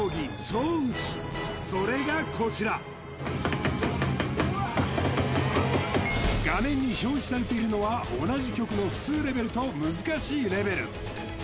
それがこちら画面に表示されているのは同じ曲のふつうレベルとむずかしいレベル